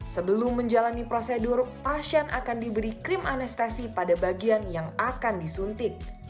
sebelum menjalani prosedur pasien akan diberi krim anestesi pada bagian yang akan disuntik